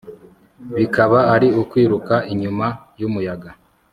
bikaba ari ukwiruka inyuma y'umuyaga